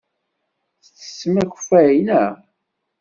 Tettessem akeffay, naɣ?